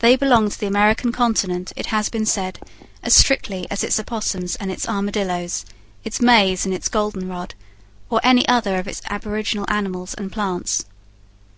They belong to the American continent, it has been said, as strictly as its opossums and its armadillos, its maize and its golden rod, or any other of its aboriginal animals and plants.